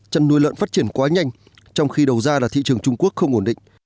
chăn nuôi lợn phát triển quá nhanh trong khi đầu ra là thị trường trung quốc không ổn định